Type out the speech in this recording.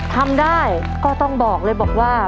ทำได้ก็ต้องบอกเลยบอกว่า